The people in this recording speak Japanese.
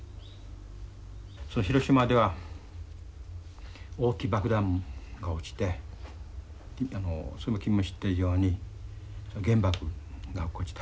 広島では大きい爆弾が落ちて君も知ってるように原爆が落っこちた。